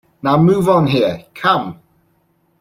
Now move on here - come!